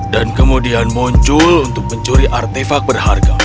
dan kemudian muncul untuk mencuri artefak berharga